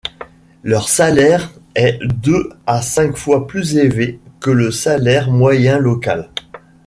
Leur salaire est deux à cinq fois plus élevé que le salaire moyen local.